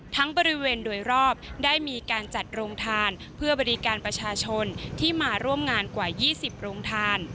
บริเวณโดยรอบได้มีการจัดโรงทานเพื่อบริการประชาชนที่มาร่วมงานกว่า๒๐โรงทาน